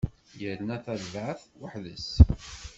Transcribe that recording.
Yerna tarbaɛt weḥd-s.